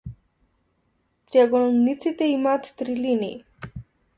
Триаголници имаат три линии.